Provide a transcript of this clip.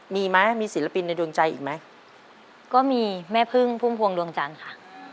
มีไหมมีศิลปินในดวงใจอีกไหมก็มีแม่พึ่งพุ่มพวงดวงจันทร์ค่ะ